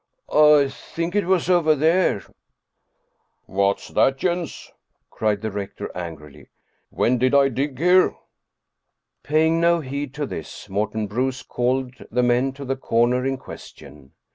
" I think it was over there." 288 Steen Steensen Blicher " What's that, Jens !" cried the rector angrily. " When did I dig here?" Paying no heed to this, Morten Bruus called the men to the corner in question.